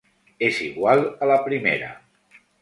Es igual a la primera.